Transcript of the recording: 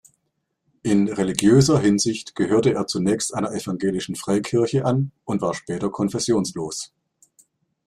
In religiöser Hinsicht gehörte er zunächst einer evangelischen Freikirche an und war später konfessionslos.